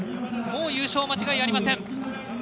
もう優勝間違いありません。